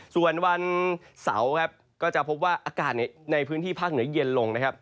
ส่วนวันเสาร์ครับก็จะพบว่าอากาศในพื้นที่ภาคเหนือเย็นลงนะครับ